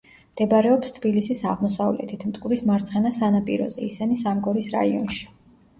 მდებარეობს თბილისის აღმოსავლეთით, მტკვრის მარცხენა სანაპიროზე, ისანი-სამგორის რაიონში.